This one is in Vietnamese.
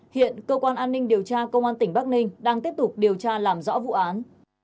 hiện cơ quan an ninh điều tra công an tỉnh bắc ninh đang tiếp tục điều tra làm rõ vụ án